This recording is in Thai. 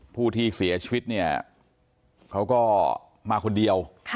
ผู้ที่เสียชีวิตเนี่ยเขาก็มาคนเดียว